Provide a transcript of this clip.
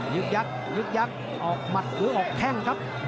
ึกยักยึกยักษ์ออกหมัดหรือออกแข้งครับ